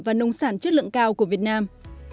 và nông sản chất lượng cao của việt nam